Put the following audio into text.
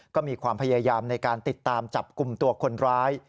ก็มีความพยายามในการติดตามจับกลุ่มตัวคนร้าย